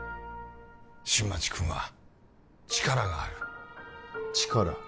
新町君は力がある力？